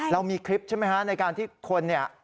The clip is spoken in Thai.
เรามีคลิปใช่ไหมฮะในการที่คนเนี่ย